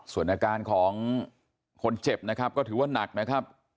ส่วนอาการของคนเจ็บนะครับก็ถือว่านักนะครับ